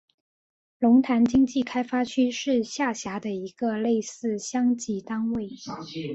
龙潭经济开发区是下辖的一个类似乡级单位。